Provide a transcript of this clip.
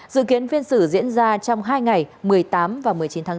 dự kiến phiên xử diễn ra trong hai ngày một mươi tám và một mươi chín tháng bốn